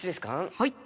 はい。